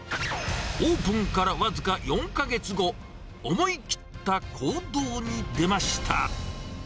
オープンから僅か４か月後、思い切った行動に出ました。